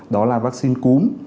đó là vaccine cúm